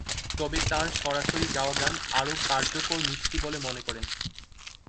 তবে তাঁর সরাসরি গাওয়া গান আরও কার্যকর, "মিষ্টি" বলে মনে করেন।